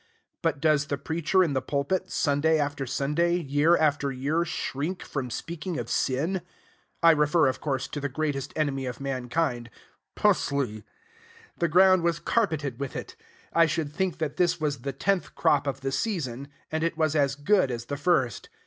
But does the preacher in the pulpit, Sunday after Sunday, year after year, shrink from speaking of sin? I refer, of course, to the greatest enemy of mankind, "p sl y." The ground was carpeted with it. I should think that this was the tenth crop of the season; and it was as good as the first.